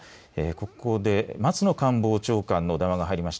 ここで松野官房長官の談話が入りました。